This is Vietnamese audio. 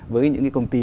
với những công ty